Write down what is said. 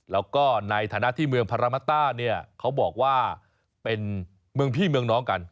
แล้วก็ในฐานะที่เมืองพารามัตต้าเนี่ยเขาบอกว่าเป็นเมืองพี่เมืองน้องกัน